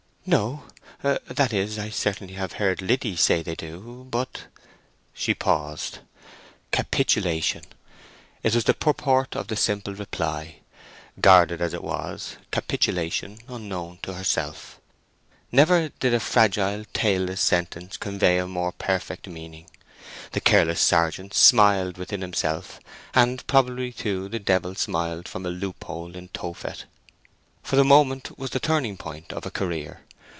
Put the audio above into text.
"No—that is—I certainly have heard Liddy say they do, but—" She paused. Capitulation—that was the purport of the simple reply, guarded as it was—capitulation, unknown to herself. Never did a fragile tailless sentence convey a more perfect meaning. The careless sergeant smiled within himself, and probably too the devil smiled from a loop hole in Tophet, for the moment was the turning point of a career.